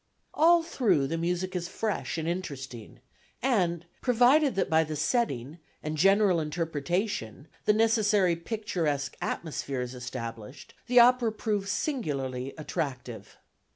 All through the music is fresh and interesting, and, provided that by the setting and general interpretation the necessary picturesque atmosphere is established, the opera proves singularly attractive.